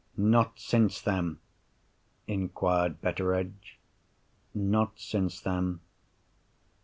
"Not since then?" inquired Betteredge. "Not since then."